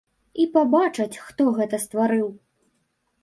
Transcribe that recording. І пабачаць, хто гэта стварыў.